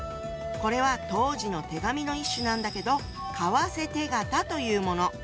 これは当時の手紙の一種なんだけど「為替手形」というもの。